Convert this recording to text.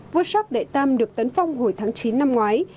vua jacques de tam được tấn phong hồi tháng chín năm ngoái